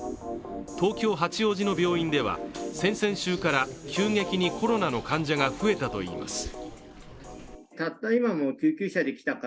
東京・八王子の病院では先々週から急激にコロナの患者が増えたといいます。